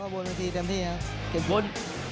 บนเวทีเต็มที่ครับเจ็บพ้น